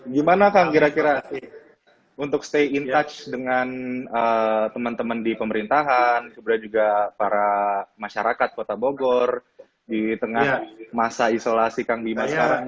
gimana kang kira kira untuk stay in touch dengan teman teman di pemerintahan kemudian juga para masyarakat kota bogor di tengah masa isolasi kang bima sekarang